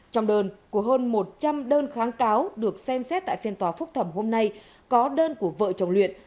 trong đơn của hơn một trăm linh đơn kháng cáo được xem xét tại phiên tòa phúc thẩm hôm nay có đơn của vợ chồng luyện